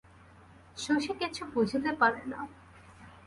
শশী কিছু বুঝিতে পারে না।